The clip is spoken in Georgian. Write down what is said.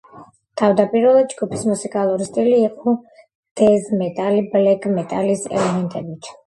თავდაპირველად, ჯგუფის მუსიკალური სტილი იყო დეზ მეტალი ბლეკ მეტალის ელემენტებით.